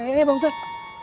eh eh bang ustaz